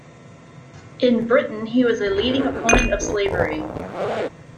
In Britain, he was a leading opponent of slavery.